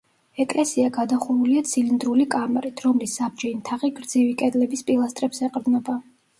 ეკლესია გადახურულია ცილინდრული კამარით, რომლის საბჯენი თაღი გრძივი კედლების პილასტრებს ეყრდნობა.